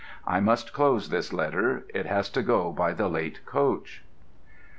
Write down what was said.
I must close this letter: it has to go by the late coach.